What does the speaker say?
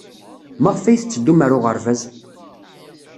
Maɣef ay tetteddum ɣer uɣerbaz?